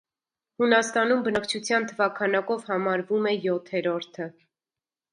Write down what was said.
Հունաստանում բնակչության թվաքանակով համարվում է յոթերորդը։